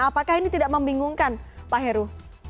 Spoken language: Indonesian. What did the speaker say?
apakah ini tidak membingungkan pak heru